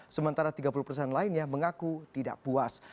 sementara tiga puluh persen lainnya mengaku tidak puas